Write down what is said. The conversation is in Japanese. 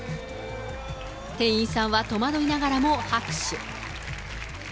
店員さんは戸惑いながらも拍手。